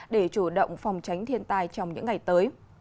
để chủ động phòng tránh thiên tai trong những ngày tới